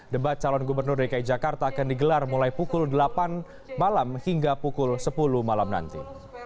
debat calon gubernur dki jakarta akan digelar mulai pukul delapan malam hingga pukul sepuluh malam nanti